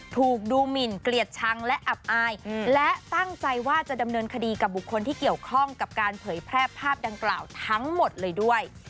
ถูกดูหมินเกลียดชังและอับอายและตั้งใจว่าจะดำเนินคดีกับบุคคลที่เกี่ยวข้องกับการเผยแพร่ภาพดังกล่าวทั้งหมดเลยด้วย